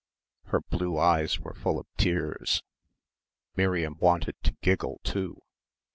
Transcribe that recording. Her blue eyes were full of tears. Miriam wanted to giggle too.